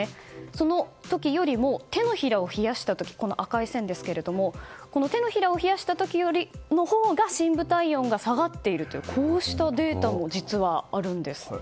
その時よりも手のひらを冷やした時赤い線ですけども手のひらを冷やした時のほうが深部体温が下がっているというデータも実はあるんです。